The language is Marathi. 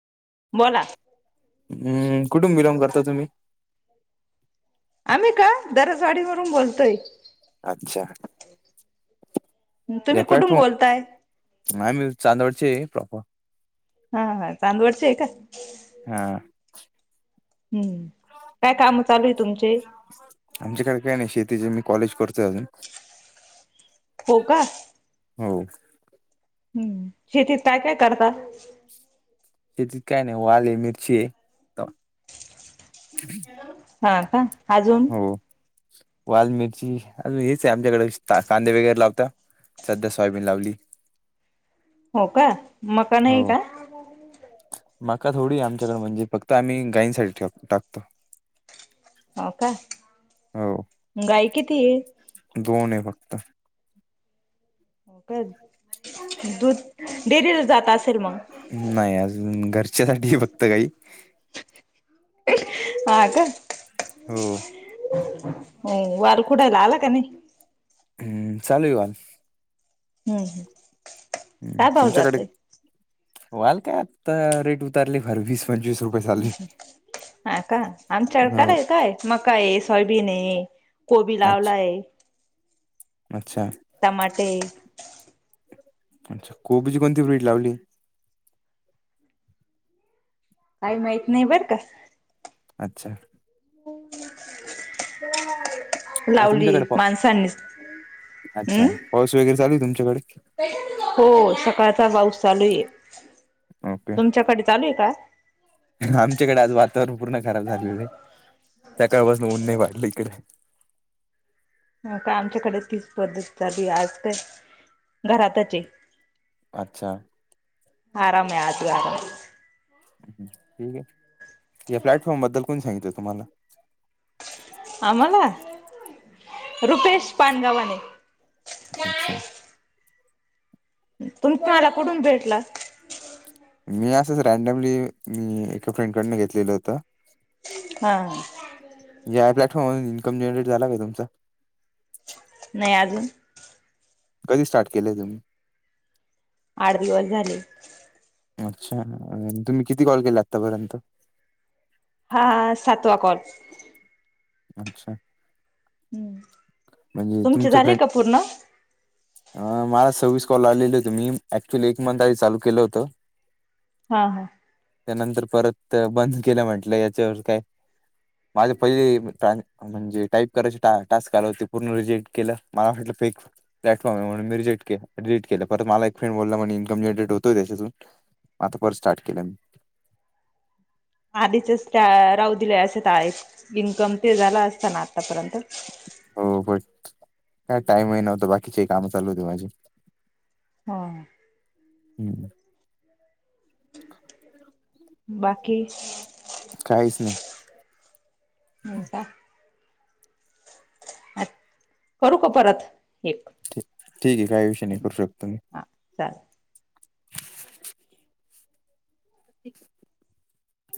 बोला हम्म, कुठून बिलॉंग करता तुम्ही? आम्ही का,, दरजवाडी वरून बोलतोय. अच्छा या तुम्ही कुठुन प्लॅटफॉर्म बोलताय? आम्ही चांदवडचे प्रोपर हा हा, चांदवडचे आहे का. हां. हम्म, काय कामं चालू आहे तुमचे? आमच्याकडे काही नाही शेतीचे, मी कॉलेज करतोय अजून. हो का. हो. हम्म, शेतीत काय काय करता? शेतीत काय नाही वालये, मिरचीये हां का,, अजून हो, वाल मिरची हेच आहे आमच्याकडे कांदे वगैरे लावता सध्या सोयाबीन लावली. हो का,, मका हो नाही का. मका थोडीय आमच्याकडें म्हणजे फक्त आम्ही गायींसाठी ठेव टाकतो. हो का,, हो अं गाई कितीये? दोन ए फक्त. हो का,, दूध डेरीला जात असेल मग. नाही अजून, घरच्या साठीय फक्त गायी. हा का,, हो. हो वारं खुडायला आला का नाही? हम्म, चालूय वाल. हम्म. हम्म काय भाव तुमच्याकडे,, जातोय वाल काय आता रेट उतारले फार वीस पंचवीस रुपय हच्छ [inaudible] हा का,, आमच्याकडं हो काय काय मका आहे सोयाबीन आहे, कोबी अच्छा लावलाय. अच्छा. टमाटे अच्छा,, कोबीची कोणती फ्र्रीट लावली.? काही माहीत नाही बर का. अच्छा. हो [unintelligible] तुमच्याकडे पा, हम्म अच्छा, पाऊस वगैरे चालू आहे तुमच्याकडे? हो सकाळचा पाऊस चालू आहे,, ओके तुमच्याकडे चालू आहे का? आमच्याकडे आज वातावरण पूर्ण खराब झालेलं य. सकाळपासनं ऊन नाही वाटलं इकडे. हा का, आमच्याकडे तीच पद्धत झाली, आज काय घरातच ए. अच्छा. आरामे आज आराम. ठीक आहे,, या प्लॅटफॉर्म बद्दल कोण सांगितलं तुम्हाला? आम्हाला,, रुपेश पाणगावाने. अच्छा तुम्ह काला कुठून भेटल. मी असच रँडमली मी एका फ्रेंडकडन घेतलेलं होत. हा या प्लॅटफॉर्मवर इन्कम जनरेट झालं का तुमचा? नाय अजून कधी स्टार्ट केलय तुम्ही? आठ दिवस झाले. अच्छा, तुम्ही किती कॉल केले आतापर्यंत? हा सातवा कॉल. अच्छा म्हणजे तुमचे तुमच झाले फ्रेंड का पूर्ण हा अ मला सव्वीस कॉल आलेले होते. मी ऍक्च्युली एक मंथ आधी चालू केलं होत. हा हा त्यानंतर परत बंद केल्या म्हंटलं याच्यावर काय माझे पहिले [unintelligible] म्हणजे टाईप करायचे ट-टास्क आलं होते. पूर्ण रिजेक्ट केलं मला वाटलं फेक प्लॅटफॉर्म आहे म्हणून मी रिजेट केल, डिलिट केल, परत मला एक फ्रेड बोलला म्हणे इन्कम जनरेट होतोय त्याच्यातून आता परत स्टार्ट केलं मी. आधीचच त्या राहू दिले असते एक इन्कम ते झालं असत ना आतापर्यंत. हो पण काय टाईमही नव्हता. बाकीचेही काम चालू होती माझी. हा हम्म बाकी काहीच नाही. होका अ करू का परत? एक. ठीक ये काही विषय नाही. करू शकता म्ही हा चाललं [unintelligible]